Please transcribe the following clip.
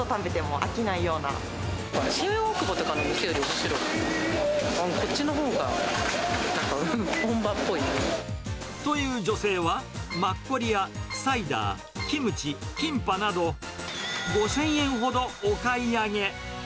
新大久保のとかの店よりすごい、こっちのほうがなんか本場っぽい。という女性は、マッコリやサイダー、キムチ、キンパなど、５０００円ほどお買い上げ。